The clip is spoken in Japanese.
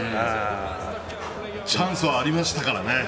チャンスはありましたからね。